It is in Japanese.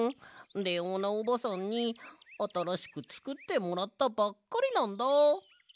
レオーナおばさんにあたらしくつくってもらったばっかりなんだ。